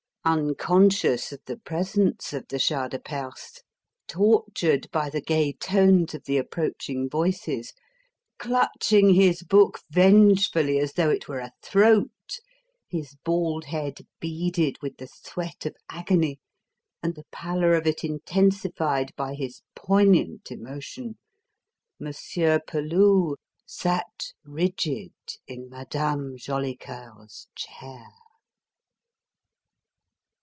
Unconscious of the presence of the Shah de Perse, tortured by the gay tones of the approaching voices, clutching his book vengefully as though it were a throat, his bald head beaded with the sweat of agony and the pallor of it intensified by his poignant emotion, Monsieur Peloux sat rigid in Madame Jolicoeur's chair!